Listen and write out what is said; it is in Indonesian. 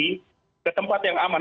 kembali ke tempat yang aman